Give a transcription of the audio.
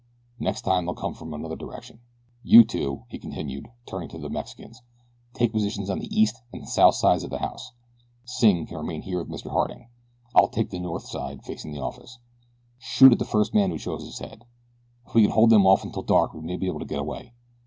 Next time they'll come from another direction. You two," he continued, turning to the Mexicans, "take positions on the east and south sides of the house. Sing can remain here with Mr. Harding. I'll take the north side facing the office. Shoot at the first man who shows his head. If we can hold them off until dark we may be able to get away.